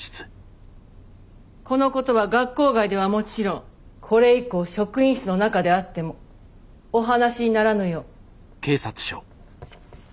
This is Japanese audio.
このことは学校外ではもちろんこれ以降職員室の中であってもお話にならぬよう。